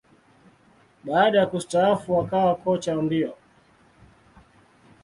Baada ya kustaafu, akawa kocha wa mbio.